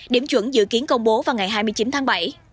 điểm chuẩn dự kiến công bố vào ngày hai mươi chín tháng bảy